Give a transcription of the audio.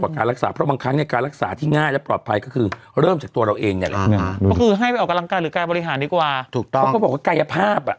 เขาก็บอกว่าไกลภาพ